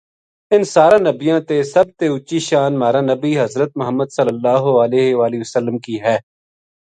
ان ساراں نبیاں تے سب تے اچی شان مہارا بنی حضرت محمدﷺ کی ہے۔